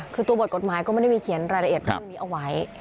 คือตัวบทกฎหมายก็ไม่ได้มีเขียนรายละเอียดเรื่องนี้เอาไว้